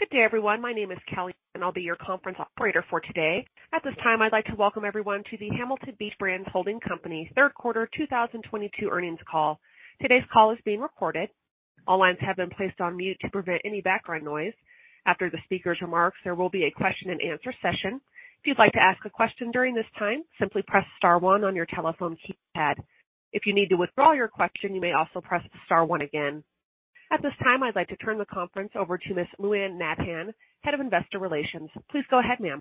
Good day, everyone. My name is Kelly, and I'll be your conference operator for today. At this time, I'd like to welcome everyone to the Hamilton Beach Brands Holding Company Third Quarter 2022 Earnings Call. Today's call is being recorded. All lines have been placed on mute to prevent any background noise. After the speaker's remarks, there will be a question-and-answer session. If you'd like to ask a question during this time, simply press star one on your telephone keypad. If you need to withdraw your question, you may also press star one again. At this time, I'd like to turn the conference over to Ms. Lou Anne Nabhan, Head of Investor Relations. Please go ahead, ma'am.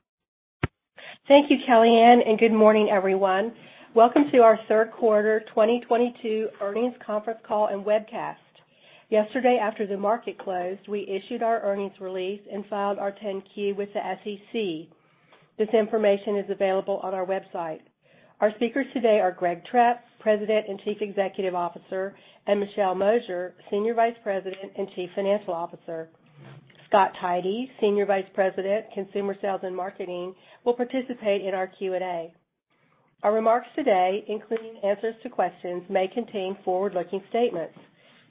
Thank you, Kellyanne, and good morning, everyone. Welcome to our third quarter 2022 earnings conference call and webcast. Yesterday, after the market closed, we issued our earnings release and filed our 10-Q with the SEC. This information is available on our website. Our speakers today are Greg Trepp, President and Chief Executive Officer, and Michelle Mosier, Senior Vice President and Chief Financial Officer. Scott Tidey, Senior Vice President, Consumer Sales and Marketing, will participate in our Q&A. Our remarks today, including answers to questions, may contain forward-looking statements.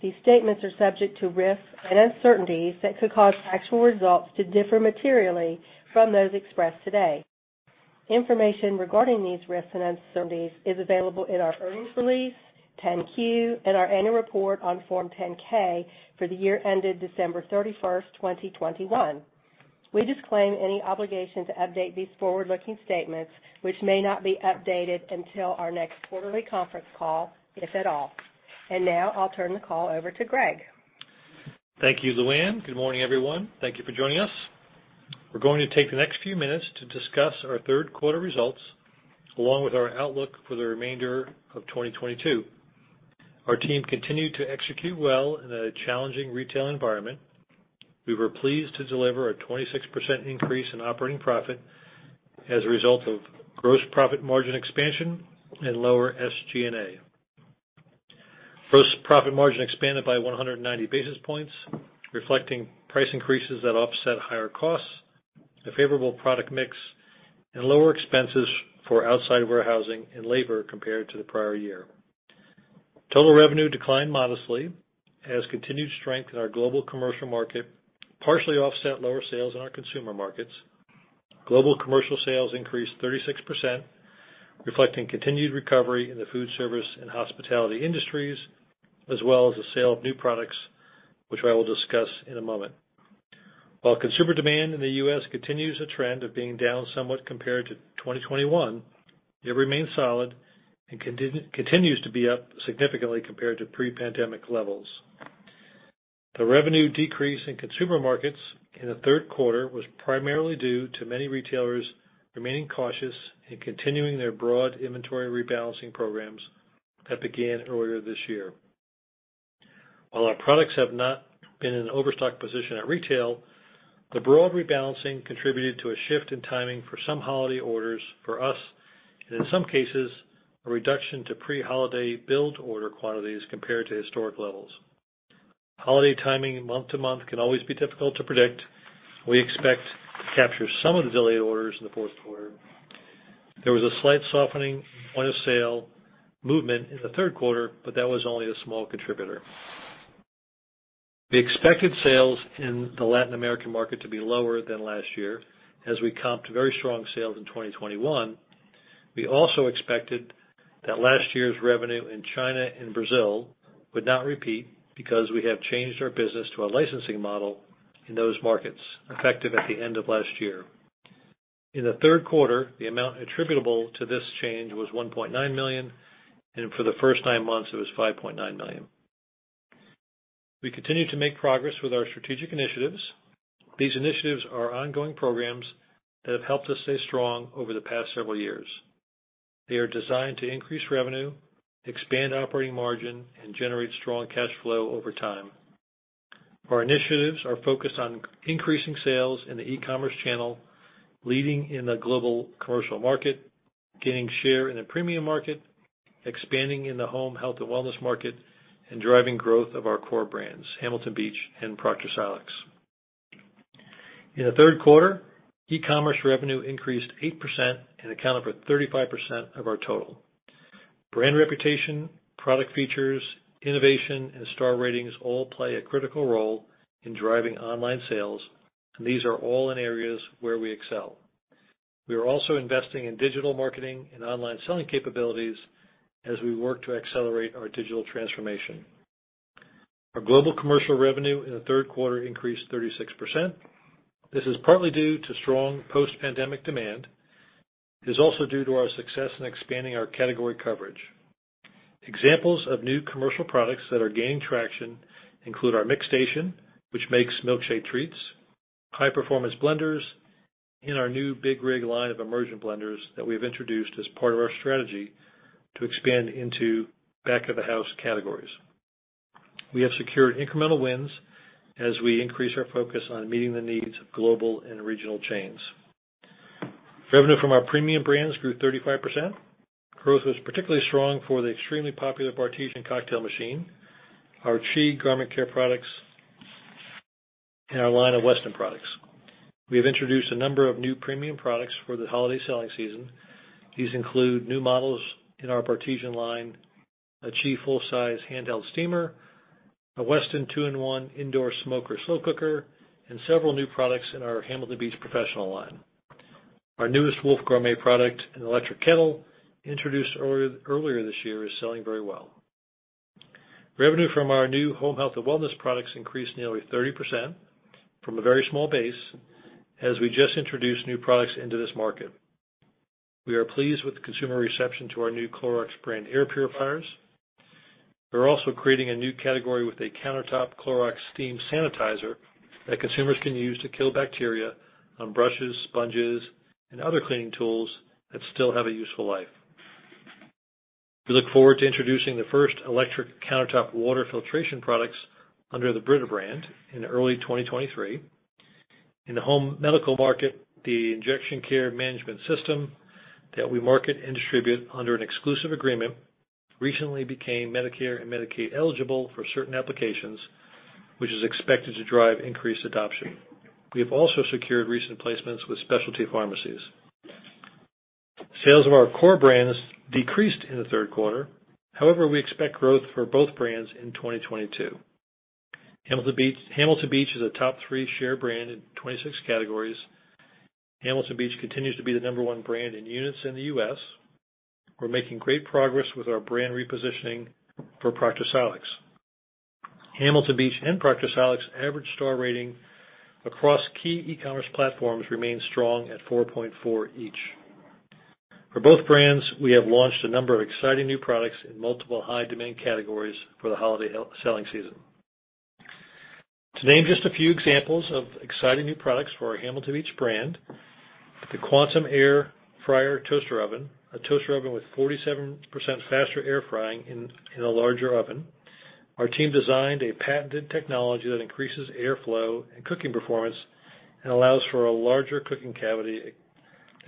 These statements are subject to risks and uncertainties that could cause actual results to differ materially from those expressed today. Information regarding these risks and uncertainties is available in our earnings release, 10-Q, and our annual report on Form 10-K for the year ended December 31st, 2021. We disclaim any obligation to update these forward-looking statements, which may not be updated until our next quarterly conference call, if at all. Now I'll turn the call over to Greg. Thank you, Lou Anne. Good morning, everyone. Thank you for joining us. We're going to take the next few minutes to discuss our third quarter results, along with our outlook for the remainder of 2022. Our team continued to execute well in a challenging retail environment. We were pleased to deliver a 26% increase in operating profit as a result of gross profit margin expansion and lower SG&A. Gross profit margin expanded by 190 basis points, reflecting price increases that offset higher costs, a favorable product mix, and lower expenses for outside warehousing and labor compared to the prior year. Total revenue declined modestly as continued strength in our global commercial market partially offset lower sales in our consumer markets. Global commercial sales increased 36%, reflecting continued recovery in the food service and hospitality industries, as well as the sale of new products, which I will discuss in a moment. While consumer demand in the U.S. continues a trend of being down somewhat compared to 2021, it remains solid and continues to be up significantly compared to pre-pandemic levels. The revenue decrease in consumer markets in the third quarter was primarily due to many retailers remaining cautious in continuing their broad inventory rebalancing programs that began earlier this year. While our products have not been in an overstock position at retail, the broad rebalancing contributed to a shift in timing for some holiday orders for us, and in some cases, a reduction to pre-holiday build order quantities compared to historic levels. Holiday timing month-to-month can always be difficult to predict. We expect to capture some of the delayed orders in the fourth quarter. There was a slight softening on a sale movement in the third quarter, but that was only a small contributor. We expected sales in the Latin American market to be lower than last year as we comped very strong sales in 2021. We also expected that last year's revenue in China and Brazil would not repeat because we have changed our business to a licensing model in those markets, effective at the end of last year. In the third quarter, the amount attributable to this change was $1.9 million, and for the first nine months, it was $5.9 million. We continue to make progress with our strategic initiatives. These initiatives are ongoing programs that have helped us stay strong over the past several years. They are designed to increase revenue, expand operating margin, and generate strong cash flow over time. Our initiatives are focused on increasing sales in the e-commerce channel, leading in the global commercial market, gaining share in the premium market, expanding in the home, health, and wellness market, and driving growth of our core brands, Hamilton Beach and Proctor Silex. In the third quarter, e-commerce revenue increased 8% and accounted for 35% of our total. Brand reputation, product features, innovation, and star ratings all play a critical role in driving online sales, and these are all in areas where we excel. We are also investing in digital marketing and online selling capabilities as we work to accelerate our digital transformation. Our global commercial revenue in the third quarter increased 36%. This is partly due to strong post-pandemic demand. It is also due to our success in expanding our category coverage. Examples of new commercial products that are gaining traction include our MixStation, which makes milkshake treats, high-performance blenders, and our new BigRig line of immersion blenders that we have introduced as part of our strategy to expand into back-of-the-house categories. We have secured incremental wins as we increase our focus on meeting the needs of global and regional chains. Revenue from our premium brands grew 35%. Growth was particularly strong for the extremely popular Bartesian cocktail machine, our CHI garment care products, and our line of Weston products. We have introduced a number of new premium products for the holiday selling season. These include new models in our Bartesian line, a CHI full-size handheld steamer, a Weston 2-in-1 indoor smoker slow cooker, and several new products in our Hamilton Beach Professional line. Our newest Wolf Gourmet product, an electric kettle introduced earlier this year, is selling very well. Revenue from our new home health and wellness products increased nearly 30% from a very small base as we just introduced new products into this market. We are pleased with the consumer reception to our new Clorox brand air purifiers. We're also creating a new category with a countertop Clorox steam sanitizer that consumers can use to kill bacteria on brushes, sponges, and other cleaning tools that still have a useful life. We look forward to introducing the first electric countertop water filtration products under the Brita brand in early 2023. In the home medical market, the injection care management system that we market and distribute under an exclusive agreement recently became Medicare and Medicaid eligible for certain applications, which is expected to drive increased adoption. We have also secured recent placements with specialty pharmacies. Sales of our core brands decreased in the third quarter. However, we expect growth for both brands in 2022. Hamilton Beach is a top three share brand in 26 categories. Hamilton Beach continues to be the No. one brand in units in the U.S. We're making great progress with our brand repositioning for Proctor Silex. Hamilton Beach and Proctor Silex average star rating across key e-commerce platforms remains strong at 4.4 each. For both brands, we have launched a number of exciting new products in multiple high demand categories for the holiday selling season. To name just a few examples of exciting new products for our Hamilton Beach brand, the Quantum Air Fryer Toaster Oven, a toaster oven with 47% faster air frying in a larger oven. Our team designed a patented technology that increases airflow and cooking performance and allows for a larger cooking cavity,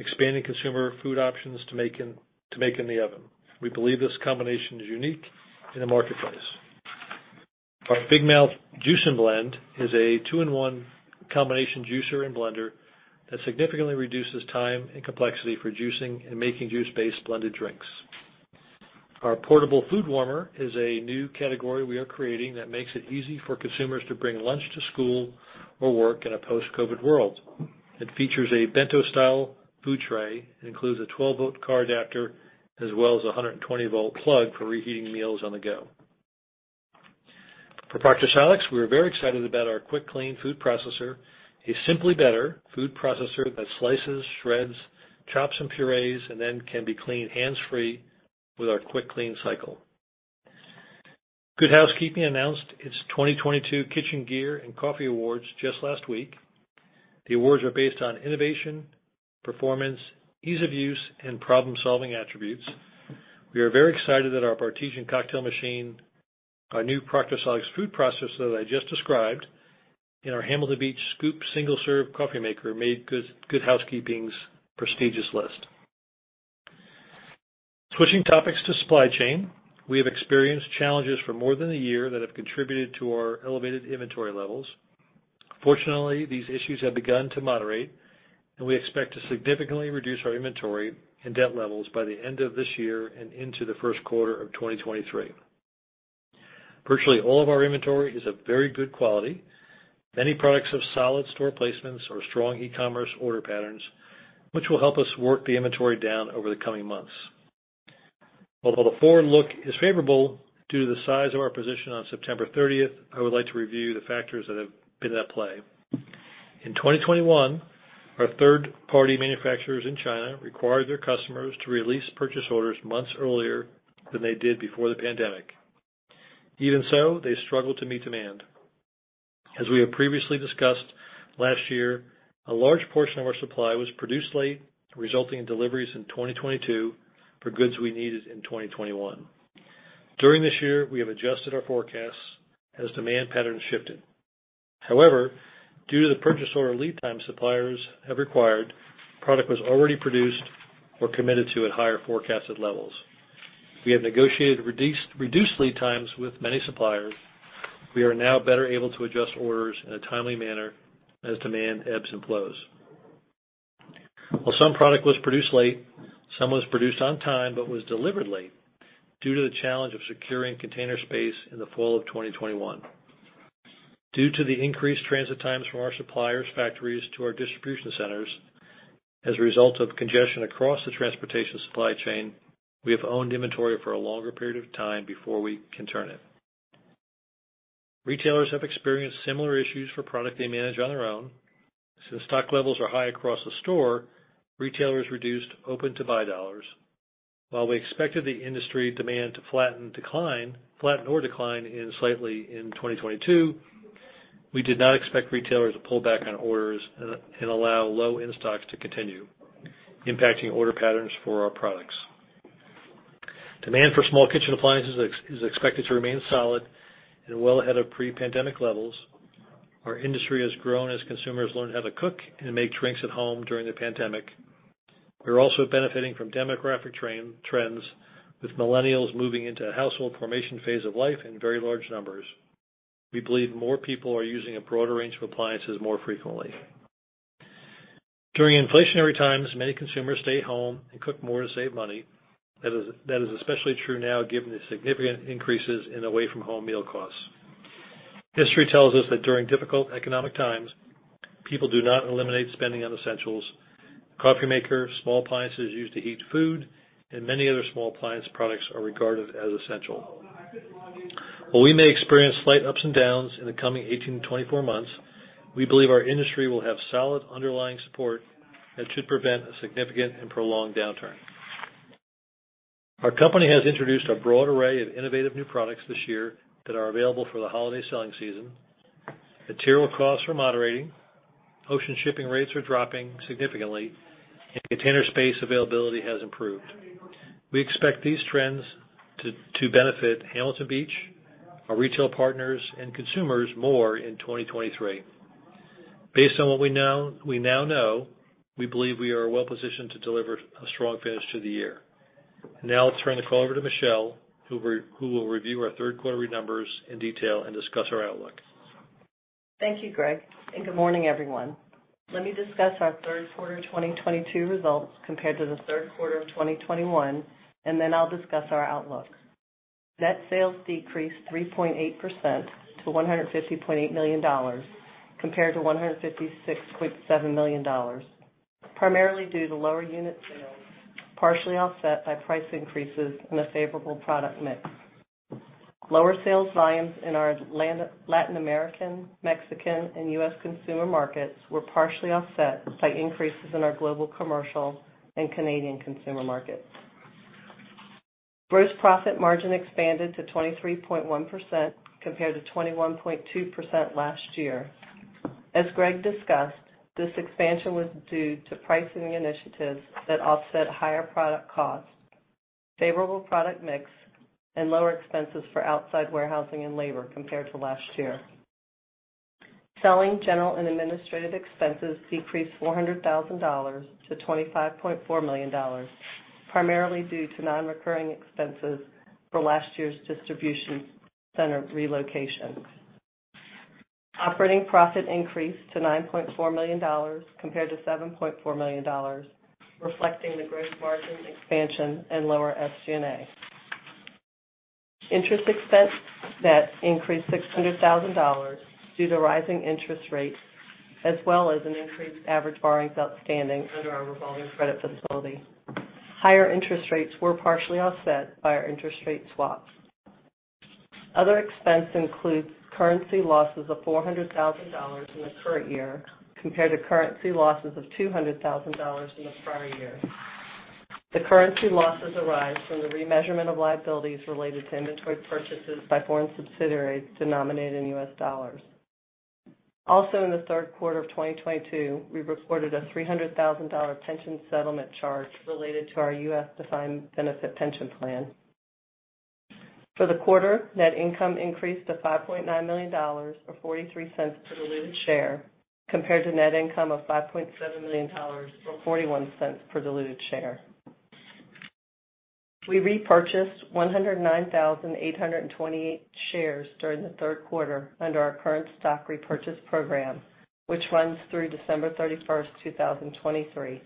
expanding consumer food options to make in the oven. We believe this combination is unique in the marketplace. Our Big Mouth Juice & Blend is a 2-in-1 combination juicer and blender that significantly reduces time and complexity for juicing and making juice-based blended drinks. Our Portable Food Warmer is a new category we are creating that makes it easy for consumers to bring lunch to school or work in a post-COVID world. It features a bento-style food tray and includes a 12-volt car adapter as well as a 120-volt plug for reheating meals on the go. For Proctor Silex, we are very excited about our Quick Clean Food Processor, a simply better food processor that slices, shreds, chops, and purees, and then can be cleaned hands-free with our Quick Clean cycle. Good Housekeeping announced its 2022 Kitchen Gear and Coffee Awards just last week. The awards are based on innovation, performance, ease of use, and problem-solving attributes. We are very excited that our Bartesian Cocktail Machine, our new Proctor Silex Food Processor that I just described, and our Hamilton Beach Scoop Single-Serve Coffee Maker made Good Housekeeping's prestigious list. Switching topics to supply chain. We have experienced challenges for more than a year that have contributed to our elevated inventory levels. Fortunately, these issues have begun to moderate, and we expect to significantly reduce our inventory and debt levels by the end of this year and into the first quarter of 2023. Virtually all of our inventory is of very good quality. Many products have solid store placements or strong e-commerce order patterns, which will help us work the inventory down over the coming months. Although the forward look is favorable due to the size of our position on September 30th, I would like to review the factors that have been at play. In 2021, our third-party manufacturers in China required their customers to release purchase orders months earlier than they did before the pandemic. Even so, they struggled to meet demand. As we have previously discussed, last year, a large portion of our supply was produced late, resulting in deliveries in 2022 for goods we needed in 2021. During this year, we have adjusted our forecasts as demand patterns shifted. However, due to the purchase order lead time suppliers have required, product was already produced or committed to at higher forecasted levels. We have negotiated reduced lead times with many suppliers. We are now better able to adjust orders in a timely manner as demand ebbs and flows. While some product was produced late, some was produced on time but was delivered late due to the challenge of securing container space in the fall of 2021. Due to the increased transit times from our suppliers' factories to our distribution centers as a result of congestion across the transportation supply chain, we have owned inventory for a longer period of time before we can turn it. Retailers have experienced similar issues for product they manage on their own. Since stock levels are high across the store, retailers reduced open-to-buy dollars. While we expected the industry demand to flatten or decline slightly in 2022, we did not expect retailers to pull back on orders and allow low in-stocks to continue impacting order patterns for our products. Demand for small kitchen appliances is expected to remain solid and well ahead of pre-pandemic levels. Our industry has grown as consumers learn how to cook and make drinks at home during the pandemic. We're also benefiting from demographic trends, with millennials moving into a household formation phase of life in very large numbers. We believe more people are using a broader range of appliances more frequently. During inflationary times, many consumers stay home and cook more to save money. That is especially true now, given the significant increases in away-from-home meal costs. History tells us that during difficult economic times, people do not eliminate spending on essentials. Coffee makers, small appliances used to heat food, and many other small appliance products are regarded as essential. While we may experience slight ups and downs in the coming 18-24 months, we believe our industry will have solid underlying support that should prevent a significant and prolonged downturn. Our company has introduced a broad array of innovative new products this year that are available for the holiday selling season. Material costs are moderating, ocean shipping rates are dropping significantly, and container space availability has improved. We expect these trends to benefit Hamilton Beach, our retail partners, and consumers more in 2023. Based on what we know, we believe we are well-positioned to deliver a strong finish to the year. Now I'll turn the call over to Michelle, who will review our third quarter numbers in detail and discuss our outlook. Thank you, Greg, and good morning, everyone. Let me discuss our third quarter 2022 results compared to the third quarter of 2021, and then I'll discuss our outlooks. Net sales decreased 3.8% to $150.8 million compared to $156.7 million, primarily due to lower unit sales, partially offset by price increases and a favorable product mix. Lower sales volumes in our Latin American, Mexican, and U.S. consumer markets were partially offset by increases in our global commercial and Canadian consumer markets. Gross profit margin expanded to 23.1% compared to 21.2% last year. As Greg discussed, this expansion was due to pricing initiatives that offset higher product costs, favorable product mix, and lower expenses for outside warehousing and labor compared to last year. Selling, general, and administrative expenses decreased $400,000 to $25.4 million, primarily due to non-recurring expenses for last year's distribution center relocations. Operating profit increased to $9.4 million compared to $7.4 million, reflecting the gross margin expansion and lower SG&A. Interest expense net increased $600,000 due to rising interest rates, as well as an increased average borrowings outstanding under our revolving credit facility. Higher interest rates were partially offset by our interest rate swaps. Other expense includes currency losses of $400,000 in the current year compared to currency losses of $200,000 in the prior year. The currency losses arise from the remeasurement of liabilities related to inventory purchases by foreign subsidiaries denominated in US dollars. Also, in the third quarter of 2022, we reported a $300,000 pension settlement charge related to our U.S. defined benefit pension plan. For the quarter, net income increased to $5.9 million, or $0.43 per diluted share, compared to net income of $5.7 million, or $0.41 per diluted share. We repurchased 109,828 shares during the third quarter under our current stock repurchase program, which runs through December 31st, 2023,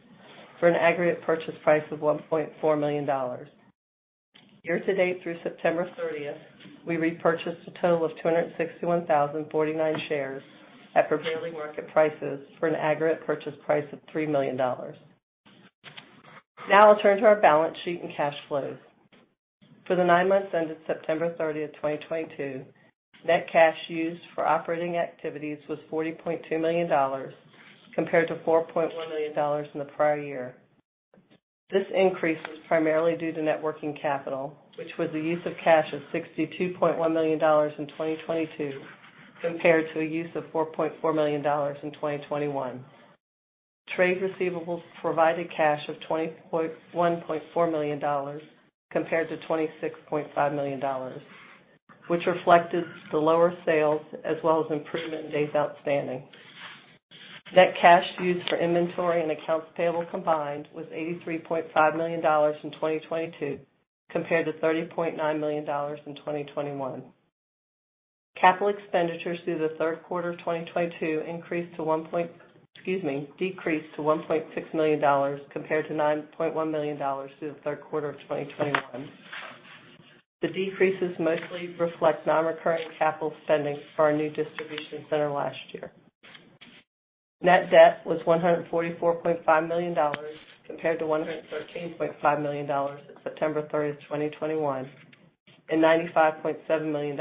for an aggregate purchase price of $1.4 million. Year-to-date through September 30th, we repurchased a total of 261,049 shares at prevailing market prices for an aggregate purchase price of $3 million. Now I'll turn to our balance sheet and cash flows. For the nine months ended September 30th, 2022, net cash used for operating activities was $40.2 million compared to $4.1 million in the prior year. This increase was primarily due to net working capital, which was the use of cash of $62.1 million in 2022 compared to a use of $4.4 million in 2021. Trade receivables provided cash of $21.4 million compared to $26.5 million, which reflected the lower sales as well as improvement in days outstanding. Net cash used for inventory and accounts payable combined was $83.5 million in 2022 compared to $30.9 million in 2021. Capital expenditures through the third quarter of 2022 increased to 1 point Excuse me, decreased to $1.6 million compared to $9.1 million through the third quarter of 2021. The decreases mostly reflect non-recurring capital spending for our new distribution center last year. Net debt was $144.5 million compared to $113.5 million at September 30th, 2021, and $95.7 million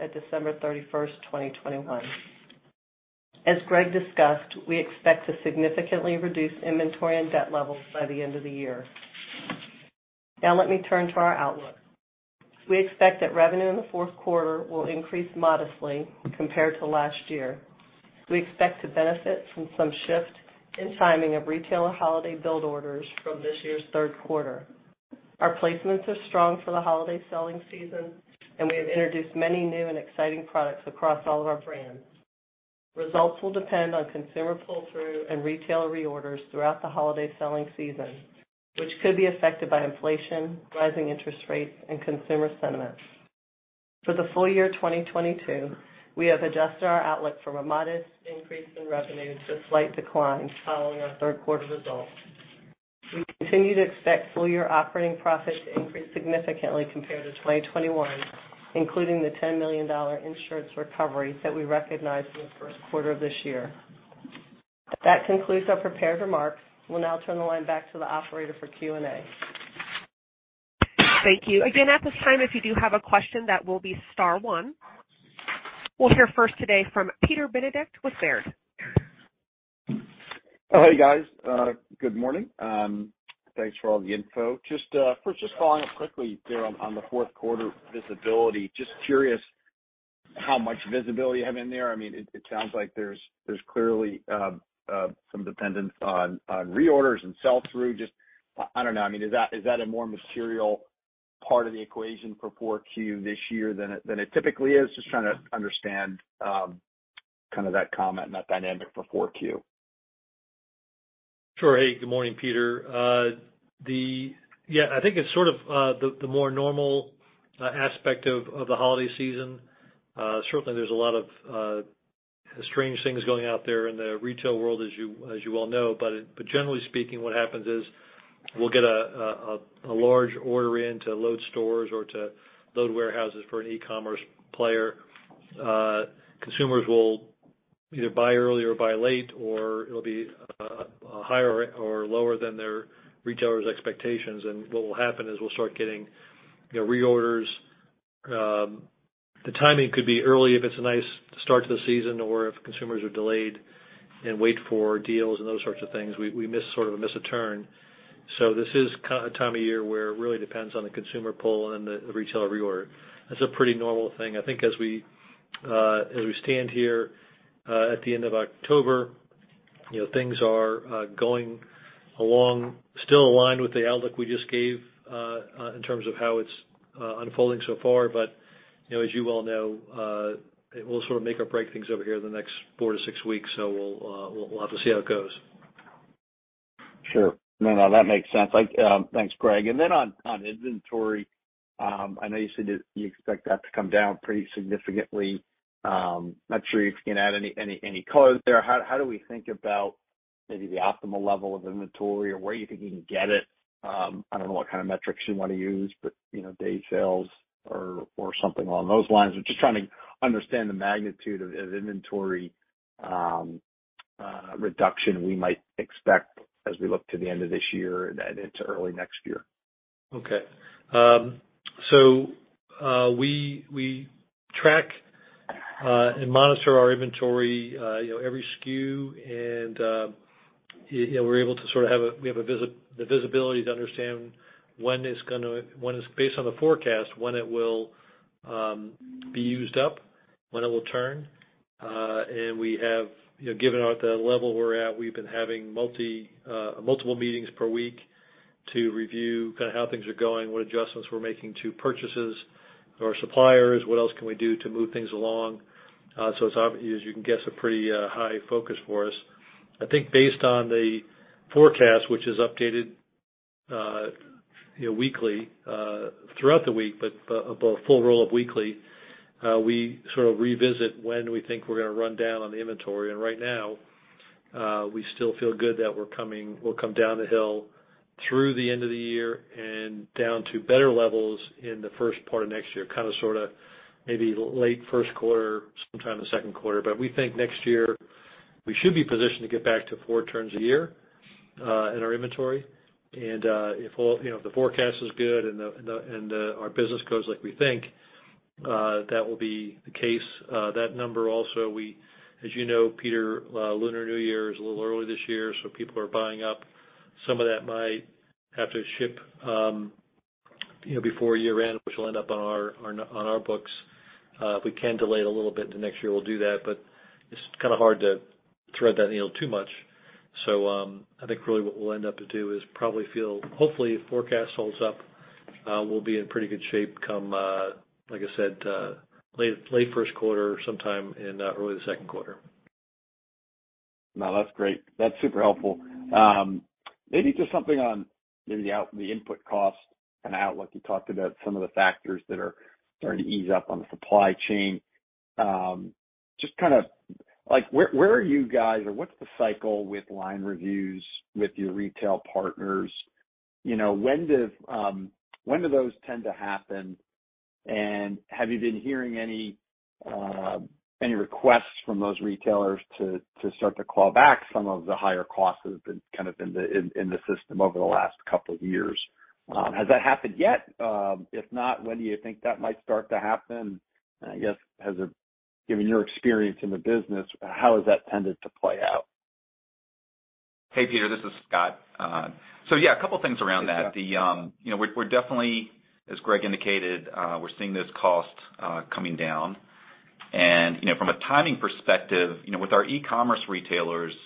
at December 31st, 2021. As Greg discussed, we expect to significantly reduce inventory and debt levels by the end of the year. Now let me turn to our outlook. We expect that revenue in the fourth quarter will increase modestly compared to last year. We expect to benefit from some shift in timing of retailer holiday build orders from this year's third quarter. Our placements are strong for the holiday selling season, and we have introduced many new and exciting products across all of our brands. Results will depend on consumer pull-through and retailer reorders throughout the holiday selling season, which could be affected by inflation, rising interest rates, and consumer sentiment. For the full year 2022, we have adjusted our outlook from a modest increase in revenue to slight decline following our third quarter results. We continue to expect full year operating profit to increase significantly compared to 2021, including the $10 million insurance recovery that we recognized in the first quarter of this year. That concludes our prepared remarks. We'll now turn the line back to the operator for Q&A. Thank you. Again, at this time, if you do have a question, that will be star one. We'll hear first today from Peter Benedict with Baird. Hey, guys. Good morning. Thanks for all the info. Just following up quickly there on the fourth quarter visibility. Just curious how much visibility you have in there. I mean, it sounds like there's clearly some dependence on reorders and sell-through. Just, I don't know. I mean, is that a more material part of the equation for 4Q this year than it typically is? Just trying to understand kind of that comment and that dynamic for 4Q. Sure. Hey, good morning, Peter. Yeah, I think it's sort of the more normal aspect of the holiday season. Certainly there's a lot of strange things going out there in the retail world, as you well know. Generally speaking, what happens is we'll get a large order in to load stores or to load warehouses for an e-commerce player. Consumers will either buy early or buy late, or it'll be higher or lower than their retailers' expectations. What will happen is we'll start getting, you know, reorders. The timing could be early if it's a nice start to the season or if consumers are delayed and wait for deals and those sorts of things. We sort of miss a turn. This is a time of year where it really depends on the consumer pull and the retailer reorder. That's a pretty normal thing. I think as we stand here at the end of October, you know, things are going along still in line with the outlook we just gave in terms of how it's unfolding so far. You know, as you well know, it will sort of make or break things over here in the next four to six weeks. We'll have to see how it goes. Sure. No, that makes sense. Like, Thanks, Greg. On inventory, I know you said you expect that to come down pretty significantly. Not sure if you can add any color there. How do we think about maybe the optimal level of inventory or where you think you can get it? I don't know what kind of metrics you wanna use, but you know, day sales or something along those lines. I'm just trying to understand the magnitude of inventory reduction we might expect as we look to the end of this year and into early next year. Okay. We track and monitor our inventory, you know, every SKU and you know, we're able to sort of have the visibility to understand when it's based on the forecast, when it will be used up, when it will turn. We have, you know, given at the level we're at, we've been having multiple meetings per week to review kind of how things are going, what adjustments we're making to purchases or suppliers, what else can we do to move things along. It's obvious, as you can guess, a pretty high focus for us. I think based on the forecast, which is updated, you know, weekly throughout the week, but a full review weekly, we sort of revisit when we think we're gonna run down our inventory. Right now, we still feel good that we'll come down the hill through the end of the year and down to better levels in the first part of next year, kinda sorta maybe late first quarter, sometime in the second quarter. We think next year we should be positioned to get back to four turns a year in our inventory. If all, you know, if the forecast is good and our business goes like we think, that will be the case. That number also as you know, Peter, Lunar New Year is a little early this year, so people are buying up. Some of that might have to ship, you know, before year-end, which will end up on our books. If we can delay it a little bit into next year, we'll do that, but it's kinda hard to thread that needle too much. I think really what we'll end up to do is probably feel, hopefully, if forecast holds up, we'll be in pretty good shape come, like I said, late first quarter, sometime in early second quarter. No, that's great. That's super helpful. Maybe just something on the input cost and outlook. You talked about some of the factors that are starting to ease up on the supply chain. Just kind of like where are you guys, or what's the cycle with line reviews with your retail partners? You know, when do those tend to happen? Have you been hearing any requests from those retailers to start to claw back some of the higher costs that have been kind of in the system over the last couple of years? Has that happened yet? If not, when do you think that might start to happen? I guess, given your experience in the business, how has that tended to play out? Hey, Peter, this is Scott. Yeah, a couple things around that. Yeah. You know, we're definitely, as Greg indicated, we're seeing this cost coming down. You know, from a timing perspective, you know, with our e-commerce retailers-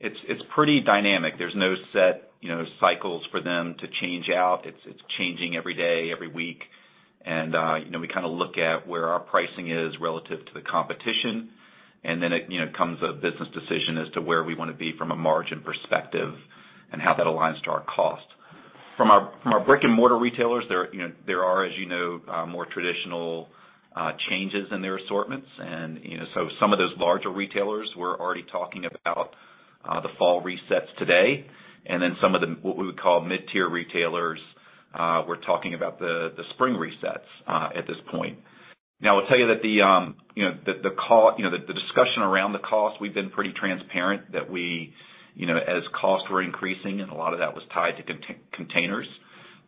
It's pretty dynamic. There's no set, you know, cycles for them to change out. It's changing every day, every week. You know, we kind of look at where our pricing is relative to the competition, and then it, you know, comes a business decision as to where we wanna be from a margin perspective and how that aligns to our cost. From our brick-and-mortar retailers, there, you know, there are, as you know, more traditional changes in their assortments. You know, so some of those larger retailers were already talking about the fall resets today. Then some of the, what we would call mid-tier retailers, we're talking about the spring resets at this point. Now I'll tell you that you know, the discussion around the cost, we've been pretty transparent that we, you know, as costs were increasing, and a lot of that was tied to containers,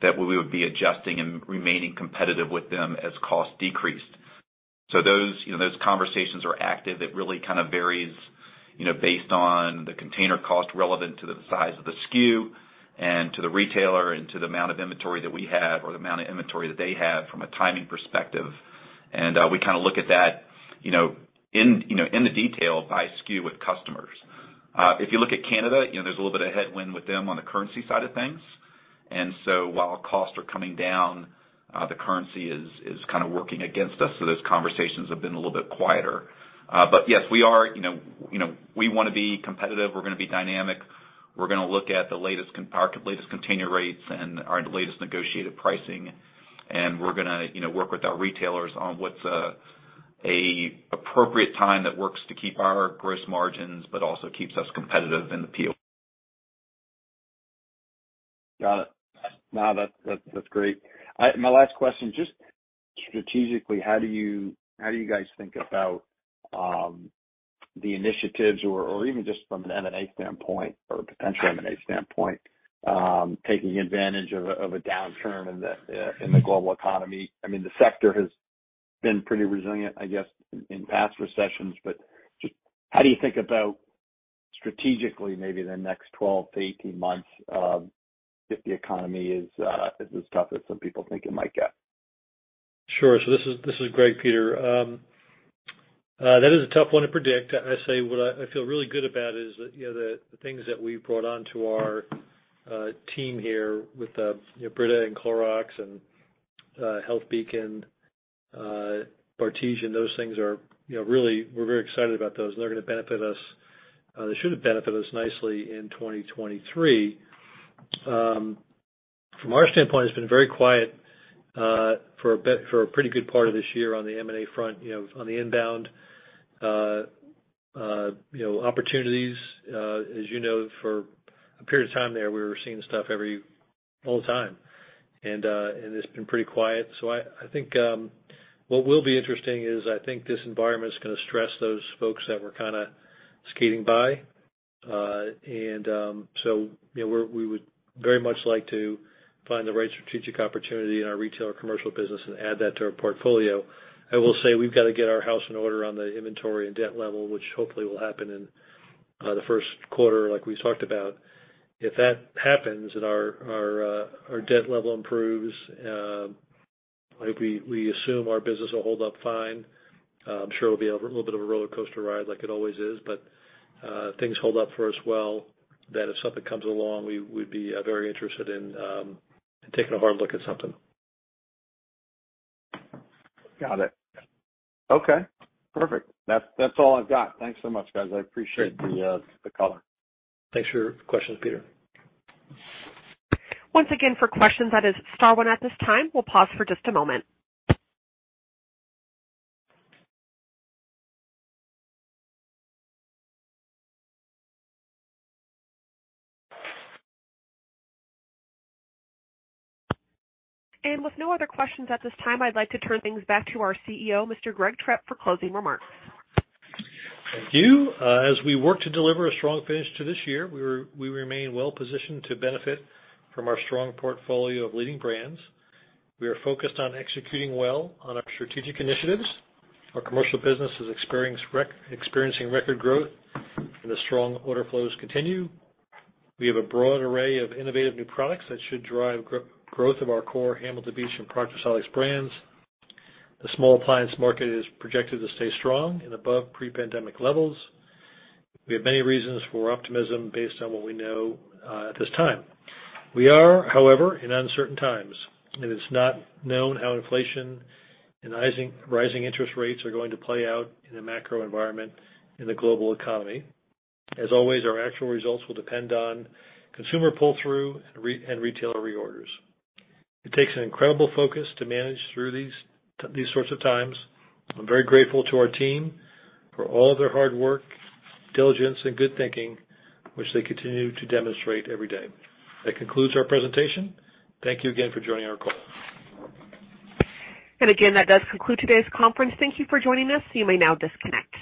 that we would be adjusting and remaining competitive with them as costs decreased. Those, you know, those conversations are active. It really kind of varies, you know, based on the container cost relevant to the size of the SKU and to the retailer and to the amount of inventory that we have or the amount of inventory that they have from a timing perspective. We kind of look at that, you know, in the detail by SKU with customers. If you look at Canada, you know, there's a little bit of headwind with them on the currency side of things. While costs are coming down, the currency is kind of working against us, so those conversations have been a little bit quieter. Yes, we are, you know, we wanna be competitive. We're gonna be dynamic. We're gonna look at our latest container rates and our latest negotiated pricing. We're gonna, you know, work with our retailers on what's a appropriate time that works to keep our gross margins, but also keeps us competitive in the POG. Got it. No, that's great. My last question, just strategically, how do you guys think about the initiatives or even just from an M&A standpoint or potential M&A standpoint, taking advantage of a downturn in the global economy? I mean, the sector has been pretty resilient, I guess, in past recessions, but just how do you think about strategically, maybe the next 12-18 months, if the economy is as tough as some people think it might get? Sure. This is Greg, Peter. That is a tough one to predict. I say what I feel really good about is that, you know, the things that we've brought onto our team here with, you know, Brita and Clorox and HealthBeacon, Bartesian, those things are, you know, really we're very excited about those, and they're gonna benefit us, they should benefit us nicely in 2023. From our standpoint, it's been very quiet for a pretty good part of this year on the M&A front, you know, on the inbound, you know, opportunities. As you know, for a period of time there, we were seeing stuff everywhere all the time. It's been pretty quiet. I think what will be interesting is I think this environment is gonna stress those folks that were kinda skating by. You know, we would very much like to find the right strategic opportunity in our retail or commercial business and add that to our portfolio. I will say we've got to get our house in order on the inventory and debt level, which hopefully will happen in the first quarter like we've talked about. If that happens and our debt level improves, I hope we assume our business will hold up fine. Sure it'll be a little bit of a rollercoaster ride like it always is, but if things hold up for us well, if something comes along, we'd be very interested in taking a hard look at something. Got it. Okay, perfect. That's all I've got. Thanks so much, guys. I appreciate the color. Thanks for your questions, Peter. Once again, for questions, that is star one at this time. We'll pause for just a moment. With no other questions at this time, I'd like to turn things back to our CEO, Mr. Greg Trepp, for closing remarks. Thank you. As we work to deliver a strong finish to this year, we remain well positioned to benefit from our strong portfolio of leading brands. We are focused on executing well on our strategic initiatives. Our commercial business is experiencing record growth, and the strong order flows continue. We have a broad array of innovative new products that should drive growth of our core Hamilton Beach and Proctor Silex brands. The small appliance market is projected to stay strong and above pre-pandemic levels. We have many reasons for optimism based on what we know at this time. We are, however, in uncertain times. It is not known how inflation and rising interest rates are going to play out in the macro environment in the global economy. As always, our actual results will depend on consumer pull-through and retailer reorders. It takes an incredible focus to manage through these sorts of times. I'm very grateful to our team for all of their hard work, diligence, and good thinking, which they continue to demonstrate every day. That concludes our presentation. Thank you again for joining our call. Again, that does conclude today's conference. Thank you for joining us. You may now disconnect.